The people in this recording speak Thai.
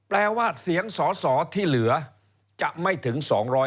แปลว่าเสียงสอสอที่เหลือจะไม่ถึง๒๐๐